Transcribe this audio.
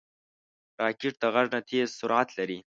راکټ د غږ نه تېز سرعت لري